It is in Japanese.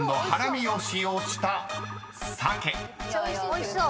おいしそう。